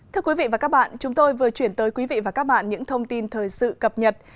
thưa quý vị và các bạn chúng tôi vừa chuyển tới quý vị và các bạn những thông tin thời sự cập nhật